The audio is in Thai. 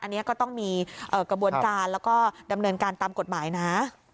อันนี้ก็ต้องมีกระบวนการแล้วก็ดำเนินการตามกฎหมายนะ